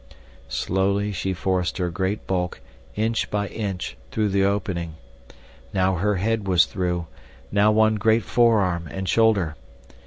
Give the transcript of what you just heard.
Slowly she forced her great bulk, inch by inch, through the opening. Now her head was through, now one great forearm and shoulder.